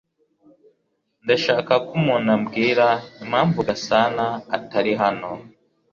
Ndashaka ko umuntu ambwira impamvu Gasana atari hano